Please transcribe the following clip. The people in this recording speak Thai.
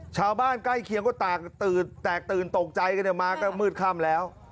ชาวบ้านใกล้เคียงก็แตกตื่นแตกตื่นตกใจกันมาก็มืดค่ำแล้ว